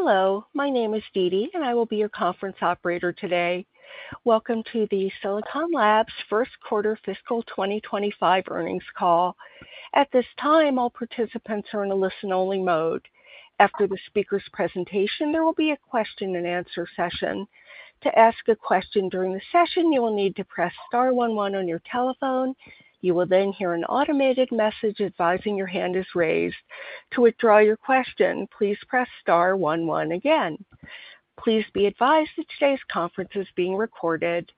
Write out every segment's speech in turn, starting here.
Hello. My name is Deedee, and I will be your conference operator today. Welcome to the Silicon Labs First Quarter Fiscal 2025 Earnings Call. At this time, all participants are in a listen-only mode. After the speaker's presentation, there will be a Q&A session. To ask a question during the session, you will need to press star one one on your telephone. You will then hear an automated message advising your hand is raised. To withdraw your question, please press star one one again. Please be advised that today's conference is being recorded.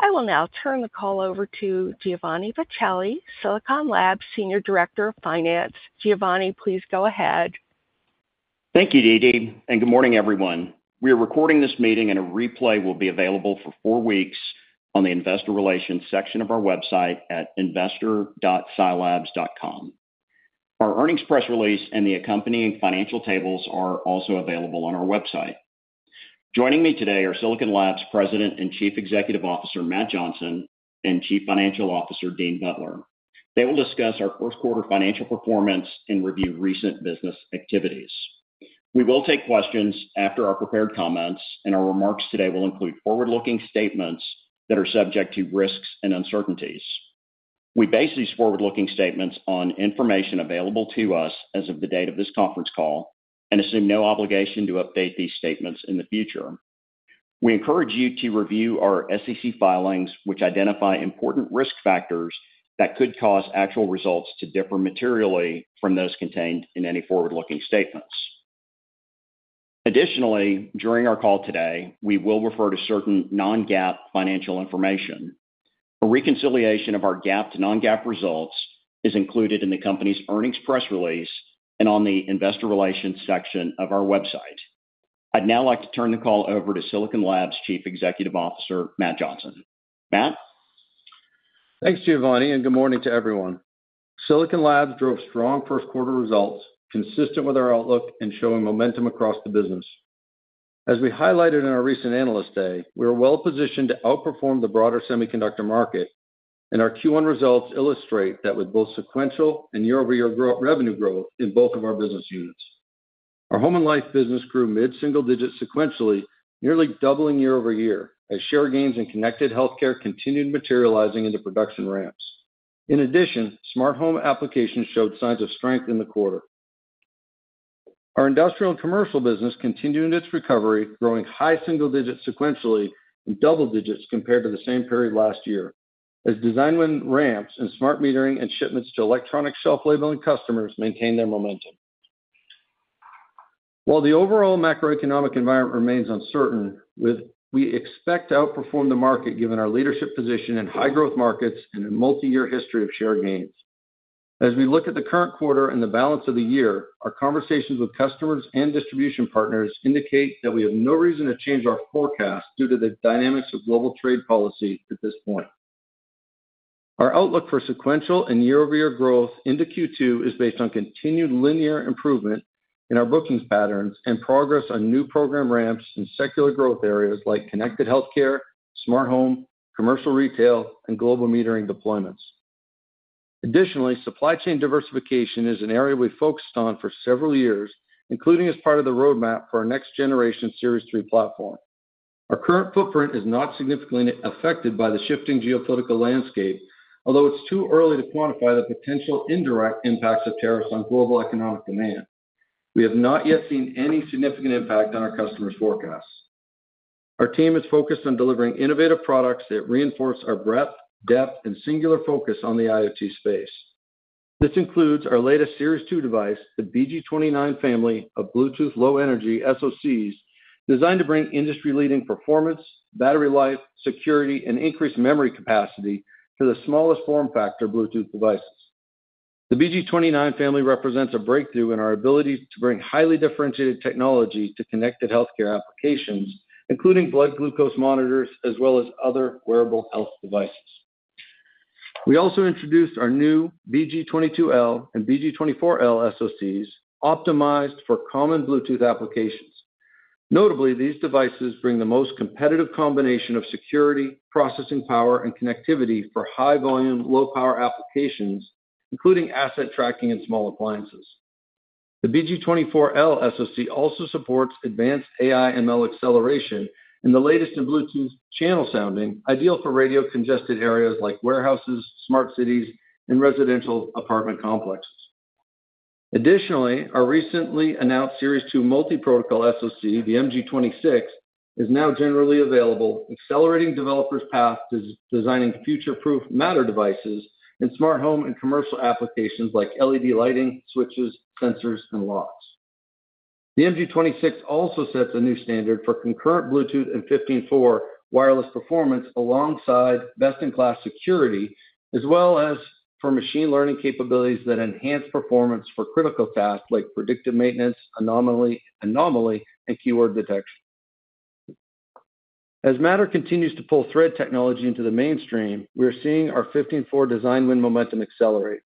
I will now turn the call over to Giovanni Pacelli, Silicon Labs Senior Director of Finance. Giovanni, please go ahead. Thank you, Deedee, and good morning, everyone. We are recording this meeting, and a replay will be available for four weeks on the investor relations section of our website at investor.silabs.com. Our earnings press release and the accompanying financial tables are also available on our website. Joining me today are Silicon Labs President and Chief Executive Officer Matt Johnson and Chief Financial Officer Dean Butler. They will discuss our first quarter financial performance and review recent business activities. We will take questions after our prepared comments, and our remarks today will include forward-looking statements that are subject to risks and uncertainties. We base these forward-looking statements on information available to us as of the date of this conference call and assume no obligation to update these statements in the future. We encourage you to review our SEC filings, which identify important risk factors that could cause actual results to differ materially from those contained in any forward-looking statements. Additionally, during our call today, we will refer to certain non-GAAP financial information. A reconciliation of our GAAP to non-GAAP results is included in the company's earnings press release and on the Investor Relations section of our website. I'd now like to turn the call over to Silicon Labs Chief Executive Officer Matt Johnson. Matt? Thanks, Giovanni, and good morning to everyone. Silicon Labs drove strong first quarter results consistent with our outlook and showing momentum across the business. As we highlighted in our recent analyst day, we are well positioned to outperform the broader semiconductor market, and our Q1 results illustrate that with both sequential and year-over-year revenue growth in both of our business units. Our Home & Life business grew mid-single digits sequentially, nearly doubling year-over-year as share gains in connected healthcare continued materializing into production ramps. In addition, smart home applications showed signs of strength in the quarter. Our industrial and commercial business continued its recovery, growing high single digits sequentially and double digits compared to the same period last year as design win ramps and smart metering and shipments to electronic shelf labeling customers maintain their momentum. While the overall macroeconomic environment remains uncertain, we expect to outperform the market given our leadership position in high growth markets and a multi-year history of share gains. As we look at the current quarter and the balance of the year, our conversations with customers and distribution partners indicate that we have no reason to change our forecast due to the dynamics of global trade policy at this point. Our outlook for sequential and year-over-year growth into Q2 is based on continued linear improvement in our bookings patterns and progress on new program ramps in secular growth areas like connected healthcare, smart home, commercial retail, and global metering deployments. Additionally, supply chain diversification is an area we focused on for several years, including as part of the roadmap for our next generation Series 3 platform. Our current footprint is not significantly affected by the shifting geopolitical landscape, although it's too early to quantify the potential indirect impacts of tariffs on global economic demand. We have not yet seen any significant impact on our customers' forecasts. Our team is focused on delivering innovative products that reinforce our breadth, depth, and singular focus on the IoT space. This includes our latest Series 2 device, the BG29 family of Bluetooth Low Energy SoCs designed to bring industry-leading performance, battery life, security, and increased memory capacity to the smallest form factor Bluetooth devices. The BG29 family represents a breakthrough in our ability to bring highly differentiated technology to connected healthcare applications, including blood glucose monitors as well as other wearable health devices. We also introduced our new BG22L and BG24L SoCs optimized for common Bluetooth applications. Notably, these devices bring the most competitive combination of security, processing power, and connectivity for high-volume, low-power applications, including asset tracking and small appliances. The BG24L SoC also supports advanced AI/ML acceleration and the latest in Bluetooth channel sounding, ideal for radio-congested areas like warehouses, smart cities, and residential apartment complexes. Additionally, our recently announced Series 2 multi-protocol SoC, the MG26, is now generally available, accelerating developers' path to designing future-proof Matter devices in smart home and commercial applications like LED lighting, switches, sensors, and locks. The MG26 also sets a new standard for concurrent Bluetooth and 15.4 wireless performance alongside best-in-class security, as well as for machine learning capabilities that enhance performance for critical tasks like predictive maintenance, anomaly, and keyword detection. As Matter continues to pull thread technology into the mainstream, we are seeing our 15.4 design win momentum accelerate.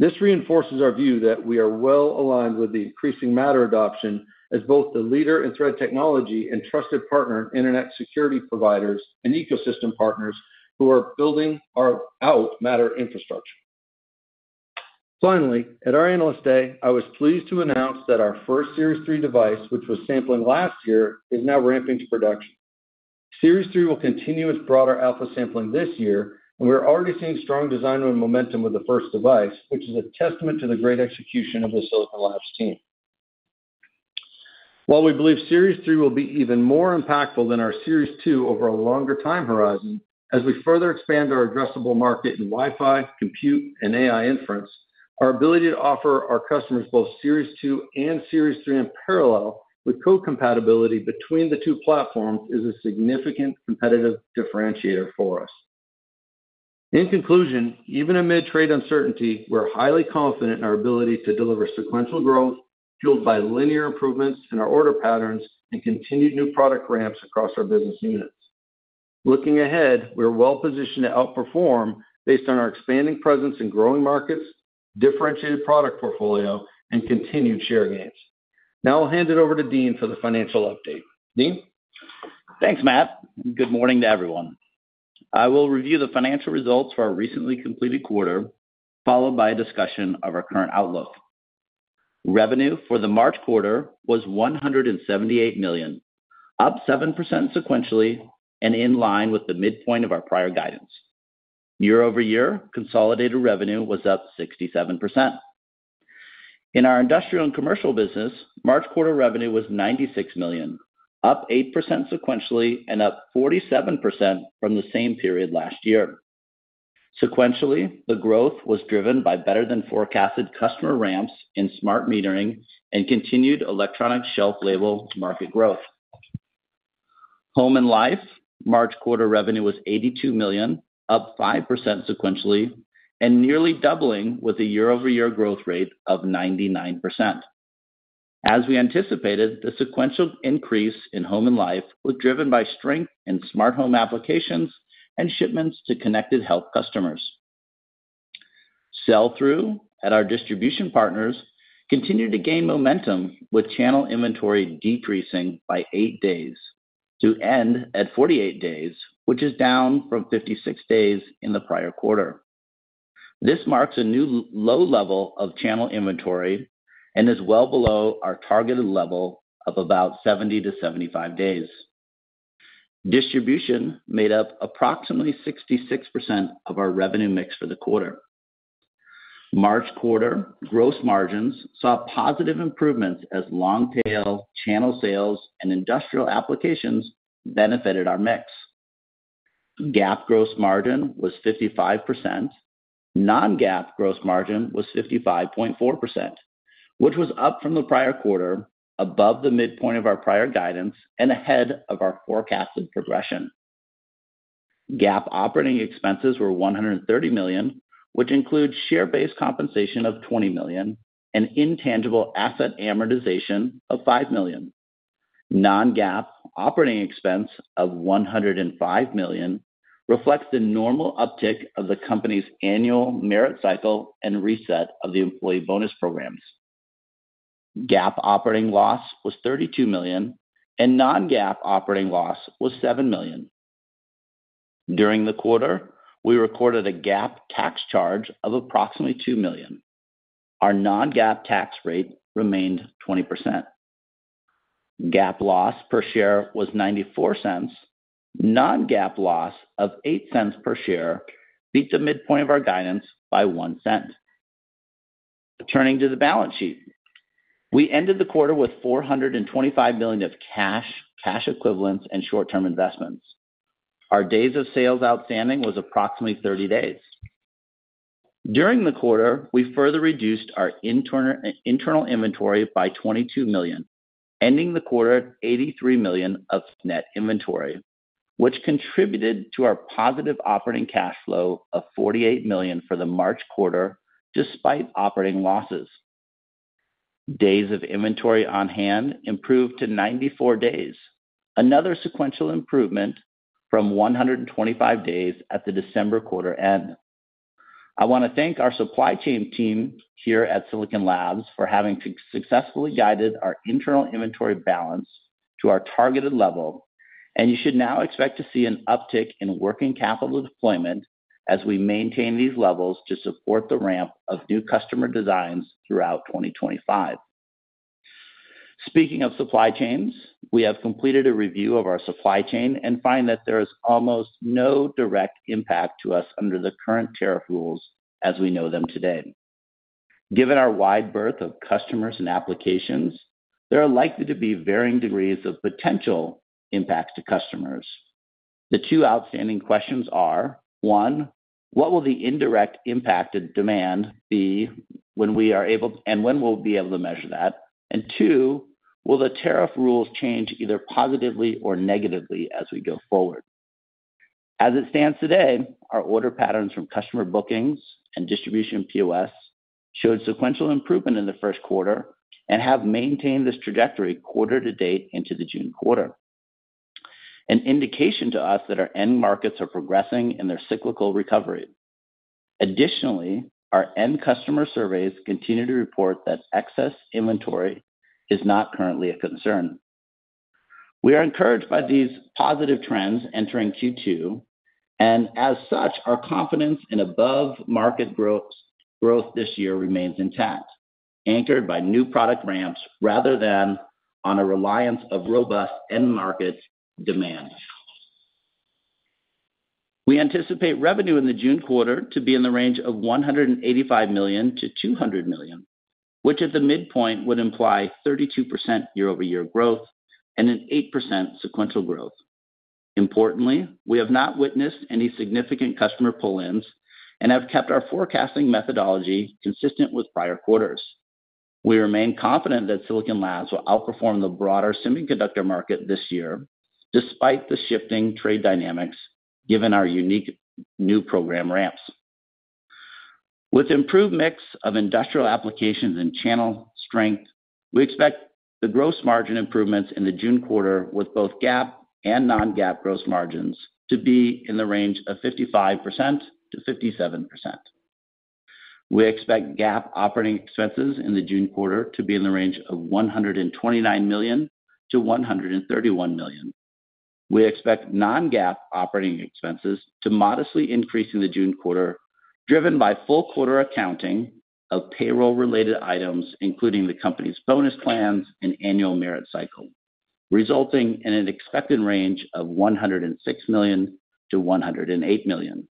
This reinforces our view that we are well aligned with the increasing Matter adoption as both the leader in Thread technology and trusted partner to internet security providers and ecosystem partners who are building out our Matter infrastructure. Finally, at our Analyst Day, I was pleased to announce that our first Series 3 device, which was sampling last year, is now ramping to production. Series 3 will continue its broader alpha sampling this year, and we're already seeing strong design win momentum with the first device, which is a testament to the great execution of the Silicon Labs team. While we believe Series 3 will be even more impactful than our Series 2 over a longer time horizon, as we further expand our addressable market in Wi-Fi, compute, and AI inference, our ability to offer our customers both Series 2 and Series 3 in parallel with code compatibility between the two platforms is a significant competitive differentiator for us. In conclusion, even amid trade uncertainty, we're highly confident in our ability to deliver sequential growth fueled by linear improvements in our order patterns and continued new product ramps across our business units. Looking ahead, we're well positioned to outperform based on our expanding presence in growing markets, differentiated product portfolio, and continued share gains. Now I'll hand it over to Dean for the financial update. Dean? Thanks, Matt. Good morning to everyone. I will review the financial results for our recently completed quarter, followed by a discussion of our current outlook. Revenue for the March quarter was $178 million, +7% sequentially and in line with the midpoint of our prior guidance. Year-over-year, consolidated revenue was +67%. In our industrial and commercial business, March quarter revenue was $96 million, +8% sequentially and +47% from the same period last year. Sequentially, the growth was driven by better-than-forecasted customer ramps in smart metering and continued electronic shelf label market growth. Home & Life, March quarter revenue was $82 million, +5% sequentially and nearly doubling with a year-over-year growth rate of 99%. As we anticipated, the sequential increase in Home & Life was driven by strength in smart home applications and shipments to connected health customers. Sell-through at our distribution partners continued to gain momentum, with channel inventory decreasing by eight days to end at 48 days, which is down from 56 days in the prior quarter. This marks a new low level of channel inventory and is well below our targeted level of about 70-75 days. Distribution made up approximately 66% of our revenue mix for the quarter. March quarter gross margins saw positive improvements as long-tail channel sales and industrial applications benefited our mix. GAAP gross margin was 55%. Non-GAAP gross margin was 55.4%, which was up from the prior quarter, above the midpoint of our prior guidance, and ahead of our forecasted progression. GAAP operating expenses were $130 million, which includes share-based compensation of $20 million and intangible asset amortization of $5 million. Non-GAAP operating expense of $105 million reflects the normal uptick of the company's annual merit cycle and reset of the employee bonus programs. GAAP operating loss was $32 million, and non-GAAP operating loss was $7 million. During the quarter, we recorded a GAAP tax charge of approximately $2 million. Our non-GAAP tax rate remained 20%. GAAP loss per share was $0.94. Non-GAAP loss of $0.08 per share beat the midpoint of our guidance by $0.01. Turning to the balance sheet, we ended the quarter with $425 million of cash, cash equivalents, and short-term investments. Our days of sales outstanding was approximately 30 days. During the quarter, we further reduced our internal inventory by $22 million, ending the quarter at $83 million of net inventory, which contributed to our positive operating cash flow of $48 million for the March quarter despite operating losses. Days of inventory on hand improved to 94 days, another sequential improvement from 125 days at the December quarter end. I want to thank our supply chain team here at Silicon Labs for having successfully guided our internal inventory balance to our targeted level, and you should now expect to see an uptick in working capital deployment as we maintain these levels to support the ramp of new customer designs throughout 2025. Speaking of supply chains, we have completed a review of our supply chain and find that there is almost no direct impact to us under the current tariff rules as we know them today. Given our wide berth of customers and applications, there are likely to be varying degrees of potential impacts to customers. The two outstanding questions are: one, what will the indirect impact of demand be when we are able, and when will we be able to measure that? Two, will the tariff rules change either positively or negatively as we go forward? As it stands today, our order patterns from customer bookings and distribution POS showed sequential improvement in the first quarter and have maintained this trajectory quarter to date into the June quarter. An indication to us that our end markets are progressing in their cyclical recovery. Additionally, our end customer surveys continue to report that excess inventory is not currently a concern. We are encouraged by these positive trends entering Q2, and as such, our confidence in above-market growth this year remains intact, anchored by new product ramps rather than on a reliance of robust end market demand. We anticipate revenue in the June quarter to be in the range of $185 million-$200 million, which at the midpoint would imply 32% year-over-year growth and an 8% sequential growth. Importantly, we have not witnessed any significant customer pull-ins and have kept our forecasting methodology consistent with prior quarters. We remain confident that Silicon Labs will outperform the broader semiconductor market this year despite the shifting trade dynamics given our unique new program ramps. With improved mix of industrial applications and channel strength, we expect the gross margin improvements in the June quarter with both GAAP and non-GAAP gross margins to be in the range of 55%-57%. We expect GAAP operating expenses in the June quarter to be in the range of $129 million-$131 million. We expect non-GAAP operating expenses to modestly increase in the June quarter driven by full quarter accounting of payroll-related items, including the company's bonus plans and annual merit cycle, resulting in an expected range of $106 million-$108 million.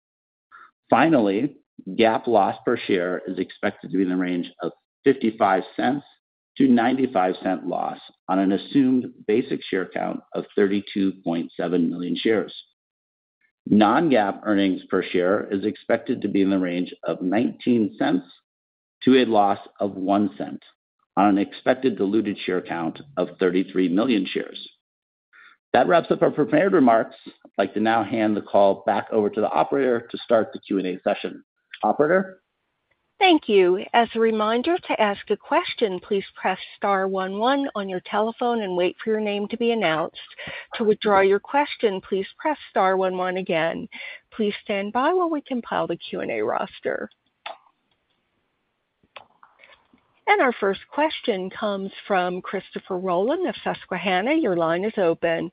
Finally, GAAP loss per share is expected to be in the range of $0.55-$0.95 loss on an assumed basic share count of 32.7 million shares. Non-GAAP earnings per share is expected to be in the range of $0.19 to a loss of $0.01 on an expected diluted share count of 33 million shares. That wraps up our prepared remarks. I'd like to now hand the call back over to the operator to start the Q&A session. Operator? Thank you. As a reminder, to ask a question, please press star one one on your telephone and wait for your name to be announced. To withdraw your question, please press star one one again. Please stand by while we compile the Q&A roster. Our first question comes from Christopher Rolland of Susquehanna. Your line is open.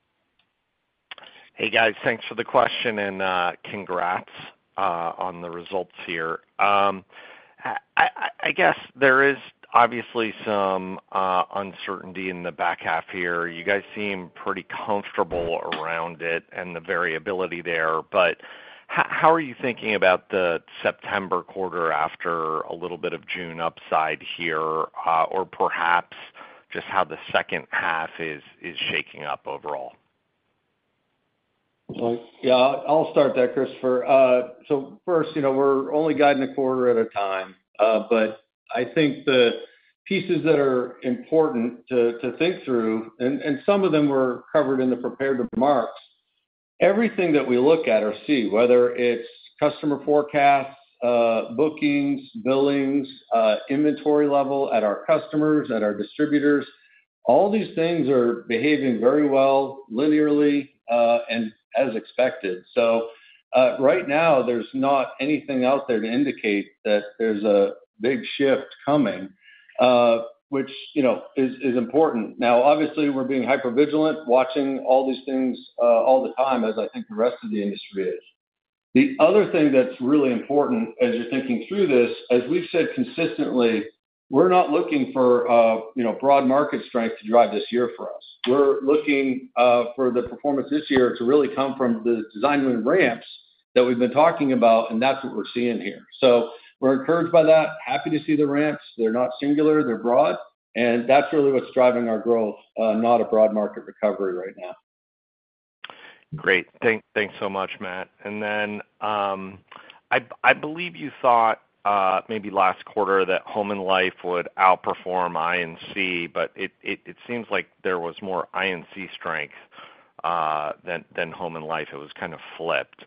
Hey, guys. Thanks for the question and congrats on the results here. I guess there is obviously some uncertainty in the back half here. You guys seem pretty comfortable around it and the variability there. How are you thinking about the September quarter after a little bit of June upside here or perhaps just how the second half is shaking up overall? Yeah, I'll start there, Christopher. First, we're only guiding a quarter at a time. I think the pieces that are important to think through, and some of them were covered in the prepared remarks, everything that we look at or see, whether it's customer forecasts, bookings, billings, inventory level at our customers, at our distributors, all these things are behaving very well linearly and as expected. Right now, there's not anything out there to indicate that there's a big shift coming, which is important. Obviously, we're being hyper-vigilant, watching all these things all the time, as I think the rest of the industry is. The other thing that's really important as you're thinking through this, as we've said consistently, we're not looking for broad market strength to drive this year for us. We're looking for the performance this year to really come from the design win ramps that we've been talking about, and that's what we're seeing here. We're encouraged by that, happy to see the ramps. They're not singular, they're broad, and that's really what's driving our growth, not a broad market recovery right now. Great. Thanks so much, Matt. I believe you thought maybe last quarter that Home & Life would outperform INC, but it seems like there was more I&C strength than Home & Life. It was kind of flipped.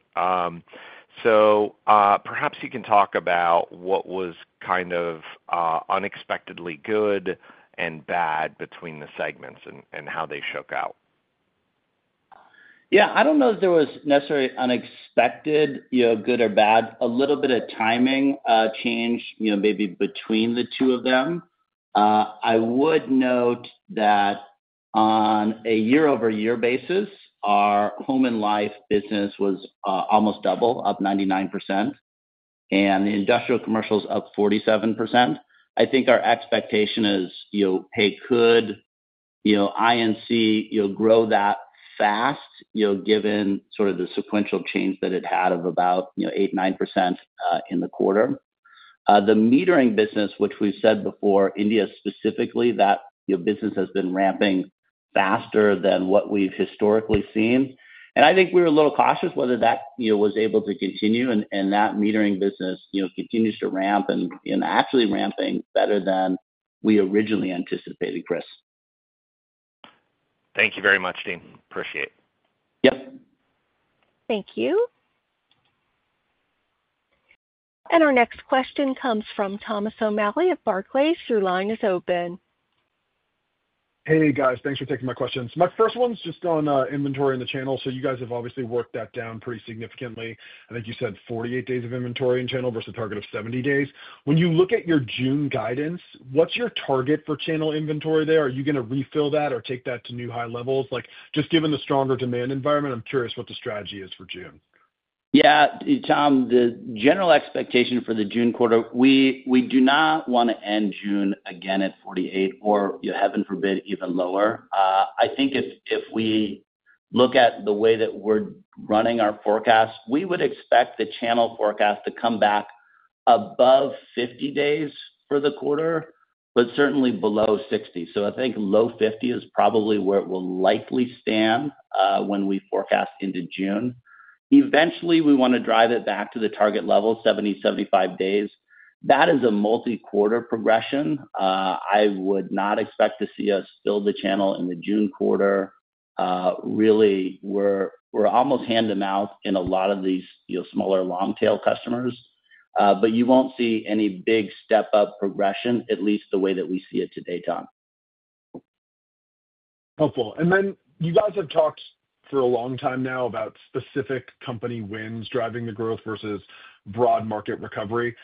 Perhaps you can talk about what was kind of unexpectedly good and bad between the segments and how they shook out. Yeah, I do not know that there was necessarily unexpected, good, or bad. A little bit of timing changed maybe between the two of them. I would note that on a year-over-year basis, our Home & Life business was almost double, +99%, and the industrial commercial is +47%. I think our expectation is, hey, could I&C grow that fast given sort of the sequential change that it had of about 8%-9% in the quarter? The metering business, which we have said before, India specifically, that business has been ramping faster than what we have historically seen. I think we were a little cautious whether that was able to continue, and that metering business continues to ramp and actually ramping better than we originally anticipated, Chris. Thank you very much, Dean. Appreciate it. Yep. Thank you. Our next question comes from Thomas O'Malley of Barclays. Your line is open. Hey, guys. Thanks for taking my questions. My first one's just on inventory in the channel. So you guys have obviously worked that down pretty significantly. I think you said 48 days of inventory in channel versus a target of 70 days. When you look at your June guidance, what's your target for channel inventory there? Are you going to refill that or take that to new high levels? Just given the stronger demand environment, I'm curious what the strategy is for June. Yeah, Tom, the general expectation for the June quarter, we do not want to end June again at 48 or, heaven forbid, even lower. I think if we look at the way that we're running our forecasts, we would expect the channel forecast to come back above 50 days for the quarter, but certainly below 60. I think low 50 is probably where it will likely stand when we forecast into June. Eventually, we want to drive it back to the target level, 70-75 days. That is a multi-quarter progression. I would not expect to see us fill the channel in the June quarter. Really, we're almost hand-to-mouth in a lot of these smaller long-tail customers, but you won't see any big step-up progression, at least the way that we see it today, Tom. Helpful. You guys have talked for a long time now about specific company wins driving the growth versus broad market recovery.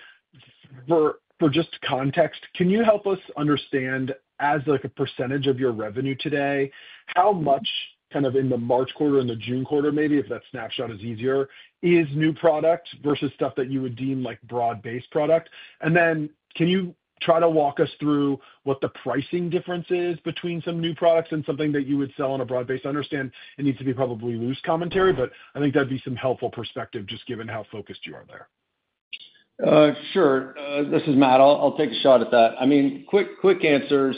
For just context, can you help us understand, as a percentage of your revenue today, how much kind of in the March quarter and the June quarter, maybe if that snapshot is easier, is new product versus stuff that you would deem broad-based product? Can you try to walk us through what the pricing difference is between some new products and something that you would sell on a broad-based? I understand it needs to be probably loose commentary, but I think that'd be some helpful perspective just given how focused you are there. Sure. This is Matt. I'll take a shot at that. I mean, quick answers,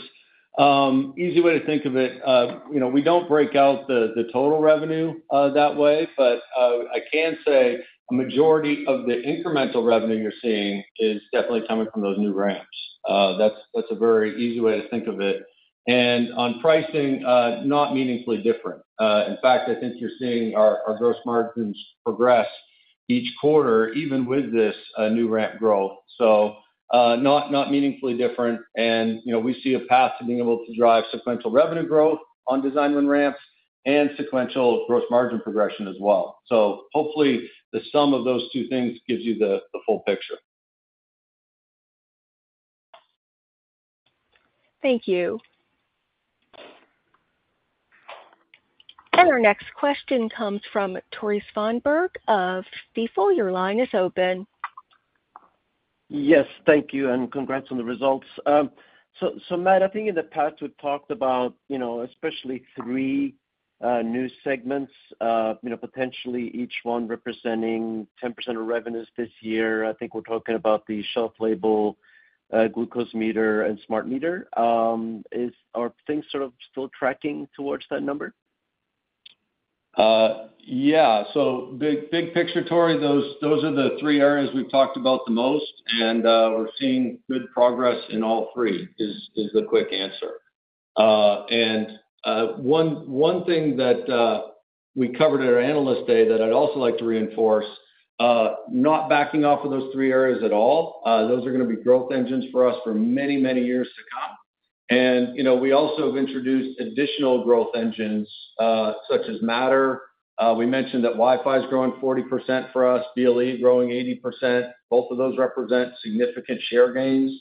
easy way to think of it. We do not break out the total revenue that way, but I can say a majority of the incremental revenue you are seeing is definitely coming from those new ramps. That is a very easy way to think of it. On pricing, not meaningfully different. In fact, I think you are seeing our gross margins progress each quarter, even with this new ramp growth. Not meaningfully different. We see a path to being able to drive sequential revenue growth on design win ramps and sequential gross margin progression as well. Hopefully, the sum of those two things gives you the full picture. Thank you. Our next question comes from Tore Svanberg of Stifel. Your line is open. Yes, thank you. And congrats on the results. Matt, I think in the past we've talked about especially three new segments, potentially each one representing 10% of revenues this year. I think we're talking about the shelf label, glucose meter, and smart meter. Are things sort of still tracking towards that number? Yeah. Big picture, Tore, those are the three areas we've talked about the most, and we're seeing good progress in all three is the quick answer. One thing that we covered at our analyst day that I'd also like to reinforce, not backing off of those three areas at all, those are going to be growth engines for us for many, many years to come. We also have introduced additional growth engines such as Matter. We mentioned that Wi-Fi is growing 40% for us, BLE growing 80%. Both of those represent significant share gains.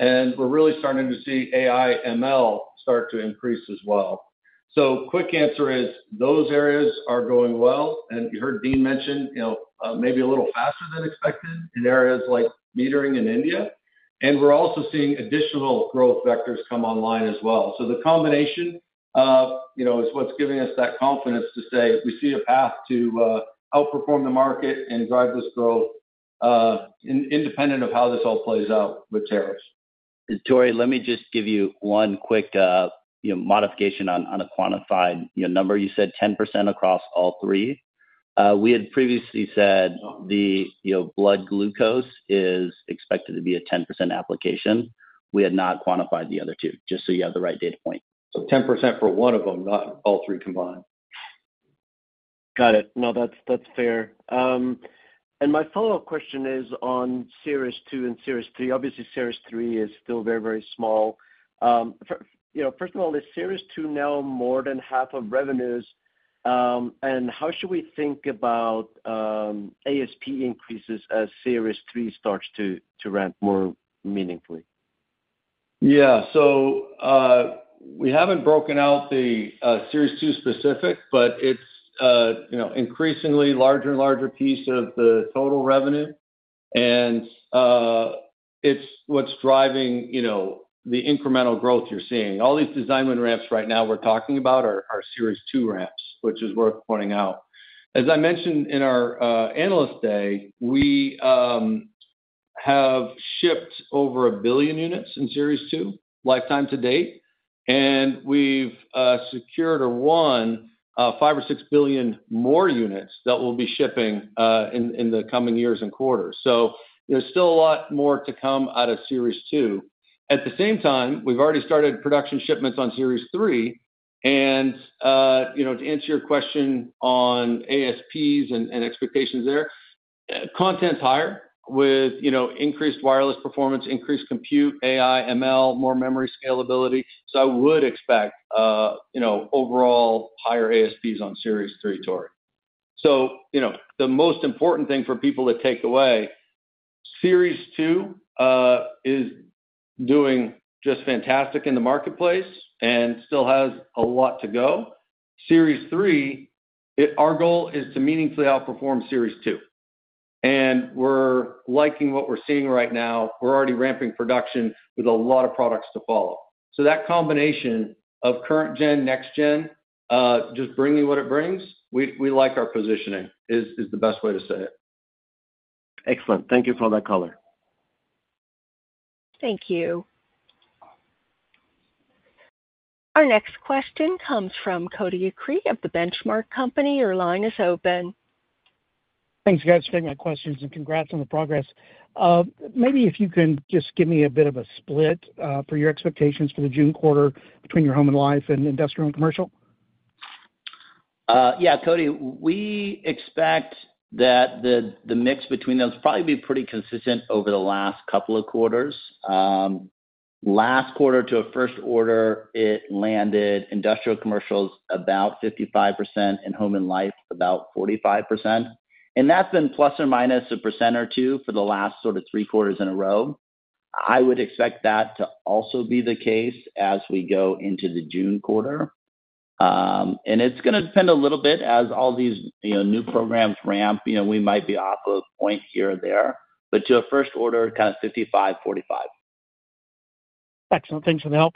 We're really starting to see AI/ML start to increase as well. Quick answer is those areas are going well. You heard Dean mention maybe a little faster than expected in areas like metering in India. We're also seeing additional growth vectors come online as well. The combination is what's giving us that confidence to say we see a path to outperform the market and drive this growth independent of how this all plays out with tariffs. Tore, let me just give you one quick modification on a quantified number. You said 10% across all three. We had previously said the blood glucose is expected to be a 10% application. We had not quantified the other two, just so you have the right data point. 10% for one of them, not all three combined. Got it. No, that's fair. My follow-up question is on Series 2 and Series 3. Obviously, Series 3 is still very, very small. First of all, is Series 2 now more than half of revenues? How should we think about ASP increases as Series 3 starts to ramp more meaningfully? Yeah. We haven't broken out the Series 2 specific, but it's an increasingly larger and larger piece of the total revenue. It's what's driving the incremental growth you're seeing. All these design win ramps right now we're talking about are Series 2 ramps, which is worth pointing out. As I mentioned in our analyst day, we have shipped over a billion units in Series 2 lifetime to date. We've secured or won five or six billion more units that we'll be shipping in the coming years and quarters. There's still a lot more to come out of Series 2. At the same time, we've already started production shipments on Series 3. To answer your question on ASPs and expectations there, content's higher with increased wireless performance, increased compute, AI/ML, more memory scalability. I would expect overall higher ASPs on Series 3, Tore. The most important thing for people to take away, Series 2 is doing just fantastic in the marketplace and still has a lot to go. Series 3, our goal is to meaningfully outperform Series 2. We are liking what we are seeing right now. We are already ramping production with a lot of products to follow. That combination of current gen, next gen, just bringing what it brings, we like our positioning is the best way to say it. Excellent. Thank you for that color. Thank you. Our next question comes from Cody Acree of The Benchmark Company. Your line is open. Thanks, guys. Thanks for my questions and congrats on the progress. Maybe if you can just give me a bit of a split for your expectations for the June quarter between your Home & Life and industrial and commercial. Yeah, Cody, we expect that the mix between those will probably be pretty consistent over the last couple of quarters. Last quarter to a first order, it landed industrial commercials about 55% and Home & Life about 45%. That has been plus or minus a 1% or 2% for the last sort of three quarters in a row. I would expect that to also be the case as we go into the June quarter. It is going to depend a little bit as all these new programs ramp. We might be off a point here or there. To a first order, kind of 55, 45. Excellent. Thanks for the help.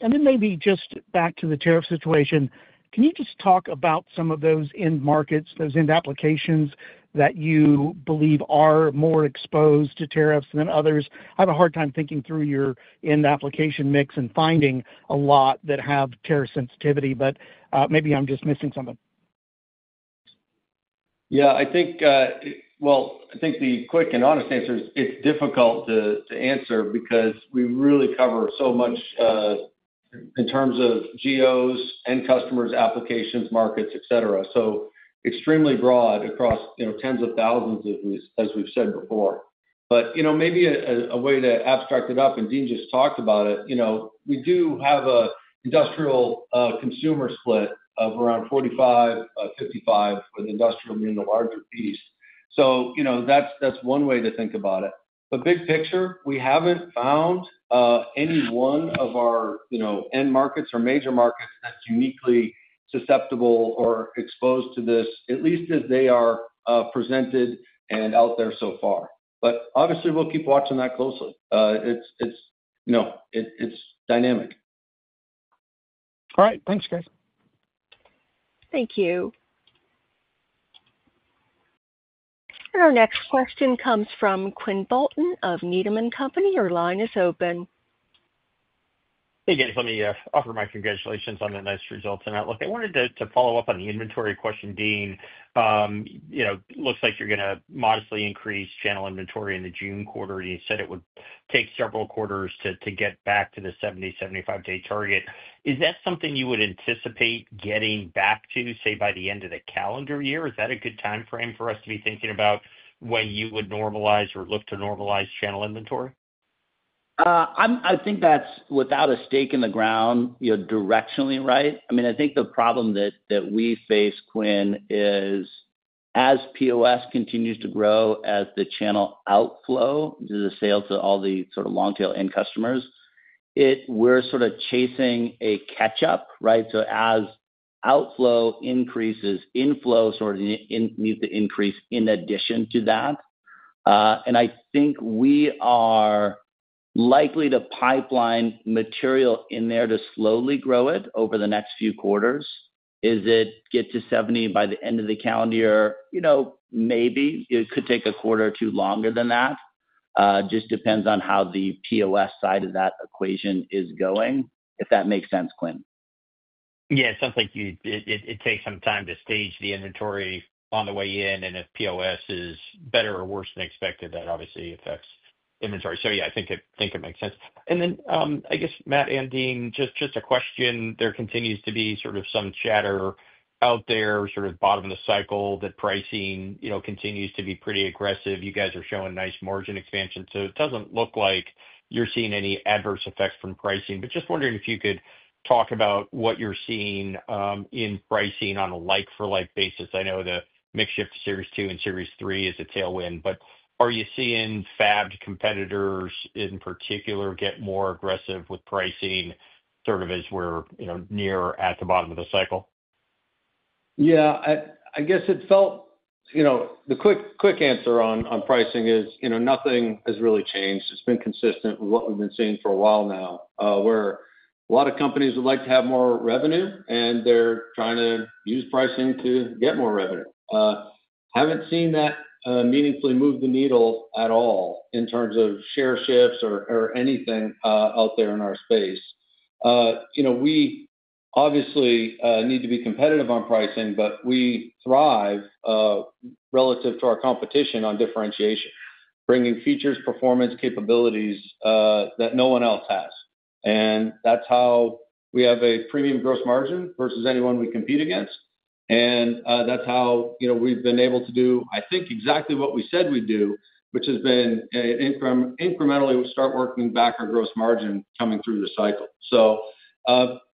Maybe just back to the tariff situation. Can you just talk about some of those end markets, those end applications that you believe are more exposed to tariffs than others? I have a hard time thinking through your end application mix and finding a lot that have tariff sensitivity, but maybe I'm just missing something. Yeah. I think the quick and honest answer is it's difficult to answer because we really cover so much in terms of GOs and customers, applications, markets, etc. So extremely broad across tens of thousands, as we've said before. Maybe a way to abstract it up, and Dean just talked about it, we do have an industrial consumer split of around 45%, 55% for the industrial being the larger piece. That's one way to think about it. Big picture, we haven't found any one of our end markets or major markets that's uniquely susceptible or exposed to this, at least as they are presented and out there so far. Obviously, we'll keep watching that closely. It's dynamic. All right. Thanks, guys. Thank you. Our next question comes from Quinn Bolton of Needham & Company. Your line is open. Hey, guys. Let me offer my congratulations on the nice results and outlook. I wanted to follow up on the inventory question, Dean. Looks like you're going to modestly increase channel inventory in the June quarter. You said it would take several quarters to get back to the 70-75 day target. Is that something you would anticipate getting back to, say, by the end of the calendar year? Is that a good time frame for us to be thinking about when you would normalize or look to normalize channel inventory? I think that's without a stake in the ground directionally, right? I mean, I think the problem that we face, Quinn, is as POS continues to grow, as the channel outflow to the sales to all the sort of long-tail end customers, we're sort of chasing a catch-up, right? As outflow increases, inflow sort of needs to increase in addition to that. I think we are likely to pipeline material in there to slowly grow it over the next few quarters. Is it get to 70 by the end of the calendar year? Maybe. It could take a quarter or two longer than that. Just depends on how the POS side of that equation is going, if that makes sense, Quinn. Yeah. It sounds like it takes some time to stage the inventory on the way in. And if POS is better or worse than expected, that obviously affects inventory. Yeah, I think it makes sense. I guess, Matt and Dean, just a question. There continues to be sort of some chatter out there, sort of bottom of the cycle, that pricing continues to be pretty aggressive. You guys are showing nice margin expansion. It does not look like you are seeing any adverse effects from pricing. Just wondering if you could talk about what you are seeing in pricing on a like-for-like basis. I know the mix shift to Series 2 and Series 3 is a tailwind, but are you seeing fabbed competitors in particular get more aggressive with pricing sort of as we are near at the bottom of the cycle? Yeah. I guess it felt the quick answer on pricing is nothing has really changed. It has been consistent with what we have been seeing for a while now, where a lot of companies would like to have more revenue, and they are trying to use pricing to get more revenue. Have not seen that meaningfully move the needle at all in terms of share shifts or anything out there in our space. We obviously need to be competitive on pricing, but we thrive relative to our competition on differentiation, bringing features, performance, capabilities that no one else has. That is how we have a premium gross margin versus anyone we compete against. That is how we have been able to do, I think, exactly what we said we would do, which has been incrementally start working back our gross margin coming through the cycle.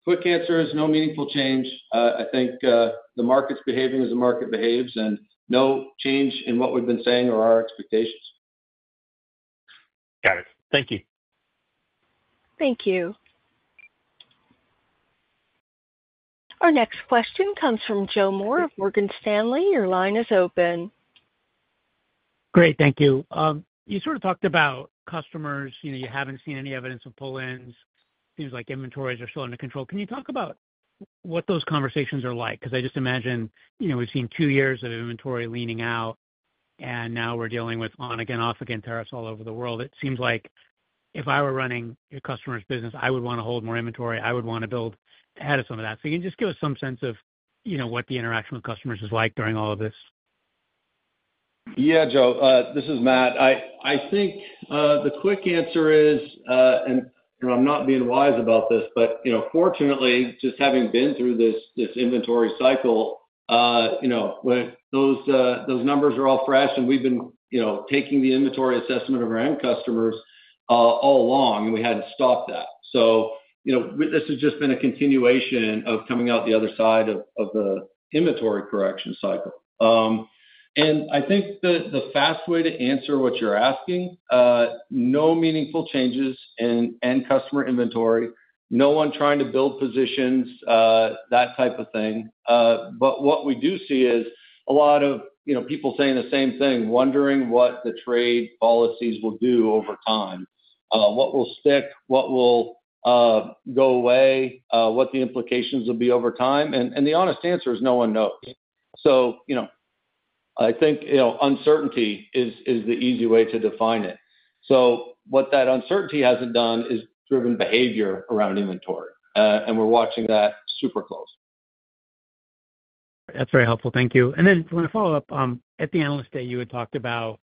Quick answer is no meaningful change. I think the market's behaving as the market behaves and no change in what we've been saying or our expectations. Got it. Thank you. Thank you. Our next question comes from Joe Moore of Morgan Stanley. Your line is open. Great. Thank you. You sort of talked about customers. You have not seen any evidence of pull-ins. Seems like inventories are still under control. Can you talk about what those conversations are like? Because I just imagine we have seen two years of inventory leaning out, and now we are dealing with on-again, off-again tariffs all over the world. It seems like if I were running your customer's business, I would want to hold more inventory. I would want to build ahead of some of that. You can just give us some sense of what the interaction with customers is like during all of this. Yeah, Joe. This is Matt. I think the quick answer is, and I'm not being wise about this, but fortunately, just having been through this inventory cycle, when those numbers are all fresh and we've been taking the inventory assessment of our end customers all along, and we hadn't stopped that. This has just been a continuation of coming out the other side of the inventory correction cycle. I think the fast way to answer what you're asking, no meaningful changes in end customer inventory, no one trying to build positions, that type of thing. What we do see is a lot of people saying the same thing, wondering what the trade policies will do over time, what will stick, what will go away, what the implications will be over time. The honest answer is no one knows. I think uncertainty is the easy way to define it. What that uncertainty has not done is driven behavior around inventory. We are watching that super close. That's very helpful. Thank you. I want to follow up. At the analyst day, you had talked about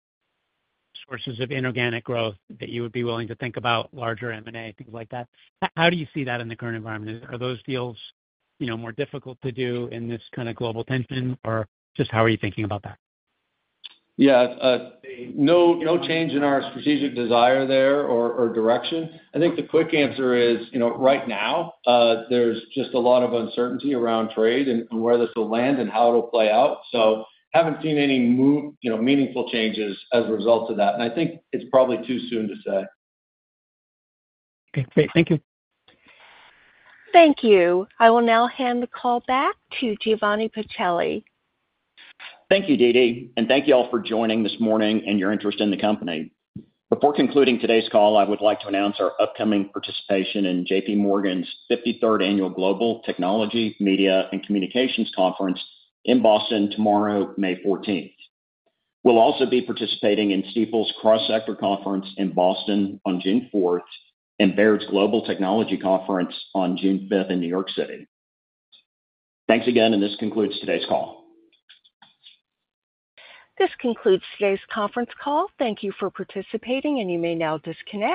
sources of inorganic growth that you would be willing to think about, larger M&A, things like that. How do you see that in the current environment? Are those deals more difficult to do in this kind of global tension, or just how are you thinking about that? Yeah. No change in our strategic desire there or direction. I think the quick answer is right now, there's just a lot of uncertainty around trade and where this will land and how it'll play out. Haven't seen any meaningful changes as a result of that. I think it's probably too soon to say. Okay. Great. Thank you. Thank you. I will now hand the call back to Giovanni Pacelli. Thank you, Deeedee. And thank you all for joining this morning and your interest in the company. Before concluding today's call, I would like to announce our upcoming participation in JPMorgan's 53rd Annual Global Technology, Media, and Communications Conference in Boston tomorrow, May 14th. We'll also be participating in Stifel's Cross-Sector Conference in Boston on June 4th and Baird's Global Technology Conference on June 5th in N.Y. City. Thanks again, and this concludes today's call. This concludes today's conference call. Thank you for participating, and you may now disconnect.